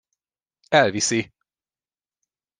Elviszi!